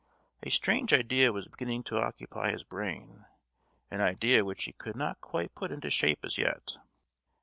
A strange idea was beginning to occupy his brain—an idea which he could not quite put into shape as yet.